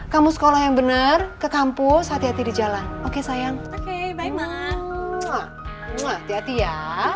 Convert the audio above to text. kamu sekolah yang bener ke kampus hati hati di jalan oke sayang oke bye mama muah muah hati ya